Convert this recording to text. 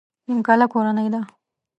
نيمکله کورنۍ ده.